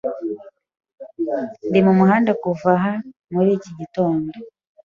Ndi mumuhanda kuva h muri iki gitondo.